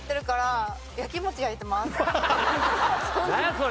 それ。